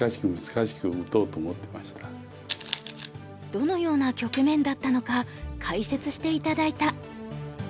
どのような局面だったのか解説して頂いた。